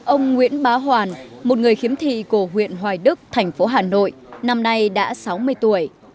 ông nguyễn bá hoàn một người khiếm thị của huyện hoài đức thành phố hà nội năm nay đã sáu mươi tuổi